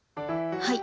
はい。